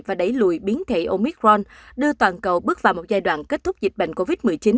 và đẩy lùi biến thể omicron đưa toàn cầu bước vào một giai đoạn kết thúc dịch bệnh covid một mươi chín